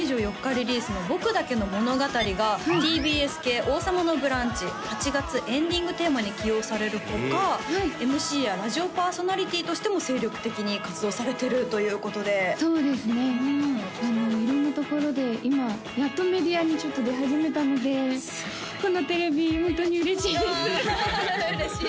リリースの「僕だけの物語」がＴＢＳ系「王様のブランチ」８月エンディングテーマに起用される他ＭＣやラジオパーソナリティーとしても精力的に活動されてるということでそうですね色んなところで今やっとメディアにちょっと出始めたのですごいこのテレビホントに嬉しいです嬉しい